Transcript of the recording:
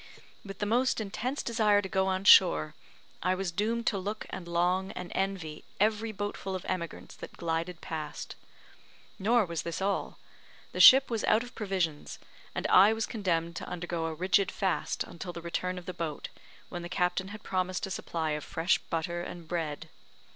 With the most intense desire to go on shore, I was doomed to look and long and envy every boatful of emigrants that glided past. Nor was this all; the ship was out of provisions, and I was condemned to undergo a rigid fast until the return of the boat, when the captain had promised a supply of fresh butter and bread.